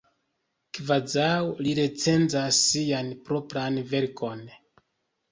Kvazaŭ li recenzas sian propran verkon!